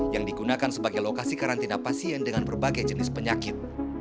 yang digunakan sebagai lokasi karantina pasien dengan berbagai jenis penyakit